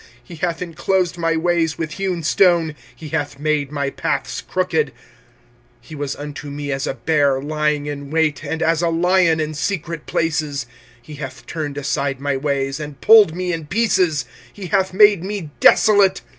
25:003:009 He hath inclosed my ways with hewn stone, he hath made my paths crooked. 25:003:010 He was unto me as a bear lying in wait, and as a lion in secret places. 25:003:011 He hath turned aside my ways, and pulled me in pieces: he hath made me desolate.